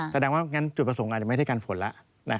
แสดงว่างั้นจุดประสงค์อาจจะไม่ได้กันฝนแล้ว